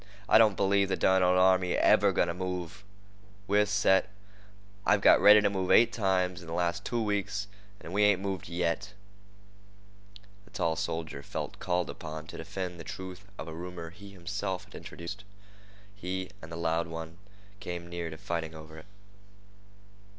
"I don't believe the derned old army's ever going to move. We're set. I've got ready to move eight times in the last two weeks, and we ain't moved yet." The tall soldier felt called upon to defend the truth of a rumor he himself had introduced. He and the loud one came near to fighting over it.